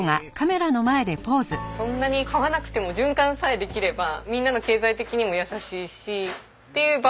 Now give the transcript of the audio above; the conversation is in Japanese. そんなに買わなくても循環さえできればみんなの経済的にも優しいしっていう場を作りたいなと。